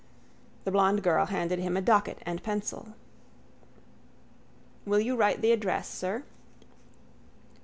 The blond girl handed him a docket and pencil. —Will you write the address, sir?